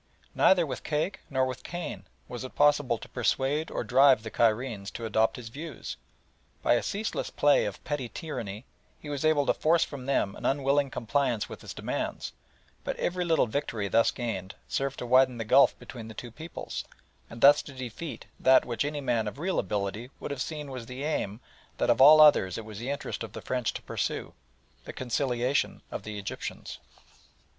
Neither with cake nor with cane was it possible to persuade or drive the Cairenes to adopt his views. By a ceaseless play of petty tyranny he was able to force from them an unwilling compliance with his demands, but every little victory thus gained served to widen the gulf between the two peoples, and thus to defeat that which any man of real ability would have seen was the aim that of all others it was the interest of the French to pursue the conciliation of the Egyptians.